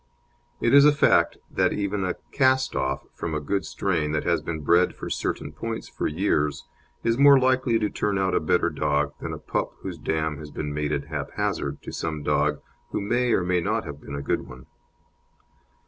It is a fact that even a "cast off" from a good strain that has been bred for certain points for years is more likely to turn out a better dog than a pup whose dam has been mated "haphazard" to some dog who may or may not have been a good one.